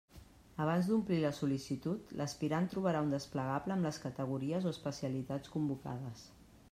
Abans d'omplir la sol·licitud, l'aspirant trobarà un desplegable amb les categories o especialitats convocades.